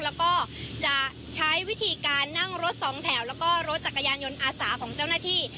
แล้วก็จะใช้วิธีการนั่งรถสองแถวแล้วก็รถจักรยานยนต์อาสาของเจ้าหน้าที่